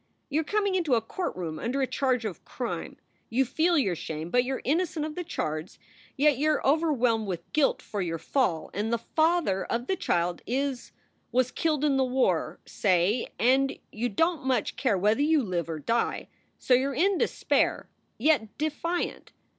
You re coming into a courtroom under a charge of crime; you feel your shame, but you re innocent of the charge, yet you re over whelmed with guilt for your fall, and the father of the child is was killed in the war, say and you don t much care whether you live or die; so you re in despair, yet defiant.